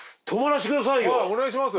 お願いします。